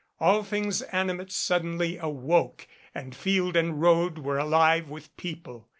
All things animate suddenly awoke and field and road were alive with people.